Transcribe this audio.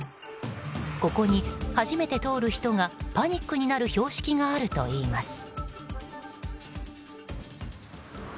ここに、初めて通る人がパニックになる標識があるといいます。